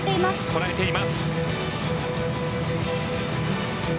こらえています。